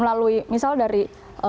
melalui misal dari